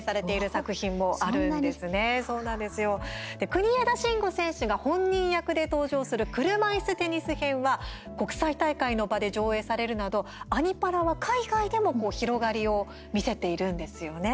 国枝慎吾選手が本人役で登場する車いすテニス編は国際大会の場で上映されるなど「アニ×パラ」は海外でも広がりを見せているんですよね。